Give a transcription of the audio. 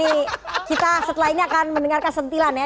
oke kita setelah ini akan mendengarkan sentilan ya